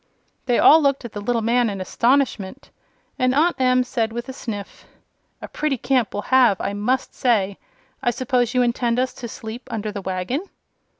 They all looked at the little man in astonishment, and Aunt Em said, with a sniff: "A pretty camp we'll have, I must say! I suppose you intend us to sleep under the wagon."